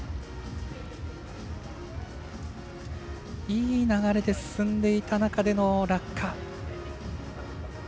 いい流れで進んでいた中での落下。